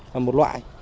là một loại